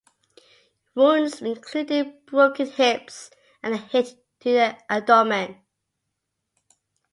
Wounds included broken hips and a hit to the abdomen.